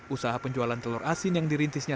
usaha penjualan telur asin yang dirintisnya